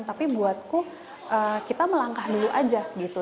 tapi buatku kita melangkah dulu aja gitu